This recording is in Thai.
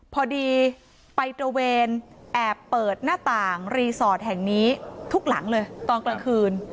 พอดีไปตระเวนแอบเปิดหน้าต่างรีสอร์ทแห่งนี้ทุกหลังเลยตอนกลางคืน